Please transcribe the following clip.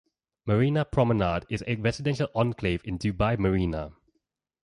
Marina Promenade is a residential enclave in Dubai Marina.